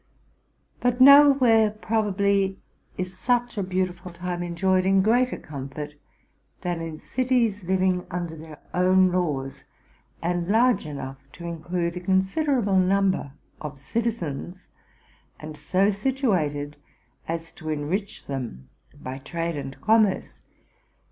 But nowhere probably is such a beautiful time enjoyed in greater comfort than in cities living under their own laws, and large enough to include a considerable number of citizens, and so situated as to enrich them by trade and commerce.